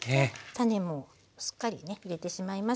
種もしっかりね入れてしまいます。